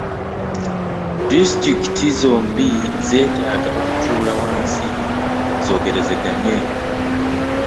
Disitulikiti zombi zeetaaga okutuula wansi zoogerezeganye.